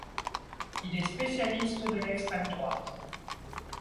Il est spécialiste de l'extrême droite.